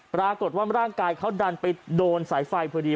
ปรากฏว่าร่างกายเขาดันไปโดนสายไฟพอดี